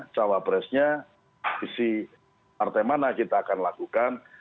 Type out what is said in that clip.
cawa presnya isi partai mana kita akan lakukan